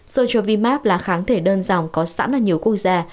sochovimax là kháng thể đơn dòng có sẵn ở nhiều quốc gia